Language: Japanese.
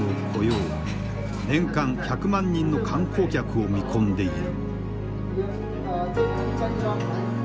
年間１００万人の観光客を見込んでいる。